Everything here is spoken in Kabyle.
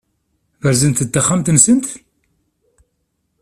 Berzent-d taxxamt-nsent?